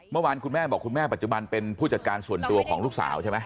เมื่อวานคุณแม่บอกคุณแม่ปัจจุบันเป็นผู้จัดการส่วนตัวของลูกสาวใช่ไหม